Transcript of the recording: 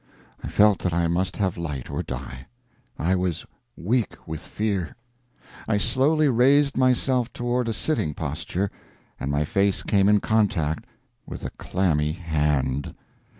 I felt that I must have light or die. I was weak with fear. I slowly raised myself toward a sitting posture, and my face came in contact with a clammy hand!